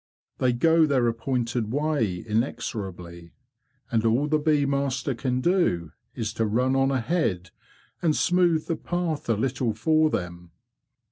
They go their appointed way inexorably, and all the bee master can do is to run on ahead and smooth the path a little for them.